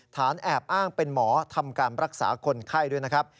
แอบอ้างเป็นหมอทำการรักษาคนไข้ด้วยนะครับ